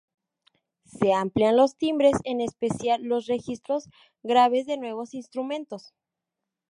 Se amplían los timbres, en especial los registros graves de nuevos instrumentos.